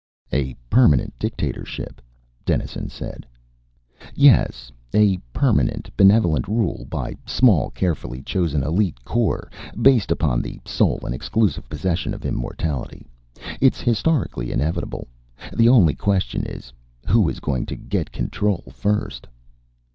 "A permanent dictatorship," Dennison said. "Yes. A permanent, benevolent rule by small, carefully chosen elite corps, based upon the sole and exclusive possession of immortality. It's historically inevitable. The only question is, who is going to get control first?"